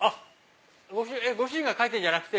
ご主人が描いてるんじゃなくて。